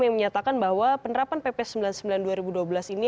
yang menyatakan bahwa penerapan pp sembilan puluh sembilan dua ribu dua belas ini